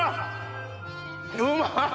うまい！